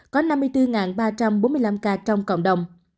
có năm mươi bốn ba trăm bốn mươi năm ca trong cộng đồng